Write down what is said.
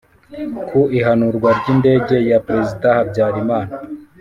ku ihanurwa ry'indege ya perezida habyarimana